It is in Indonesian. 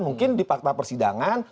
mungkin di fakta persidangan